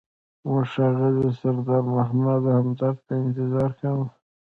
موږ ښاغلي سردار محمد همدرد ته انتظار کاوه.